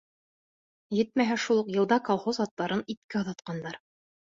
Етмәһә, шул уҡ йылда колхоз аттарын иткә оҙатҡандар.